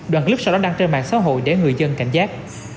đoàn clip sau đó đang trên mạng xã hội để người dân cảnh giác